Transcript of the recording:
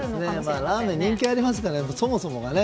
ラーメンは人気がありますからそもそもがね。